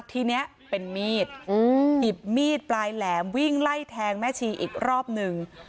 ทีนี้เป็นมีดหยิบมีดปลายแหลมวิ่งไล่แทงแม่ชีอีกรอบหนึ่ง